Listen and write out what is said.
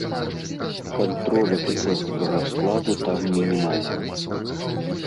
Кантроль афіцэрскага складу там мінімальны.